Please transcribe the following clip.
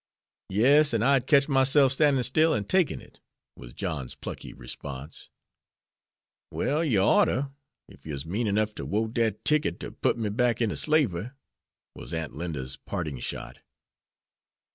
"Yes, an' I'd ketch myself stan'in' still an' takin' it," was John's plucky response. "Well, you oughter, ef you's mean enough to wote dat ticket ter put me back inter slavery," was Aunt Linda's parting shot.